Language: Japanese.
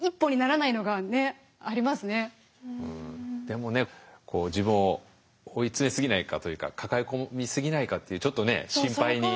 でもね自分を追い詰めすぎないかというか抱え込みすぎないかっていうちょっとね心配に。